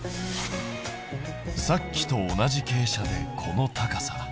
さっきと同じ傾斜でこの高さだ。